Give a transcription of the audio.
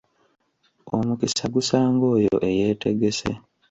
Omukisa gusanga oyo eyeetegese.